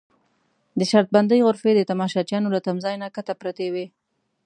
د شرط بندۍ غرفې د تماشچیانو له تمځای نه کښته پرتې وې.